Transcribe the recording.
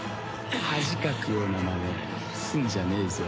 恥かくようなまねすんじゃねえぞ？